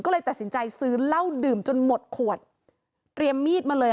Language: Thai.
จะงอขอคืนดีแต่ฝ่ายหญิงไม่คุยด้วยเลยแทงฝ่ายหญิงซะเลย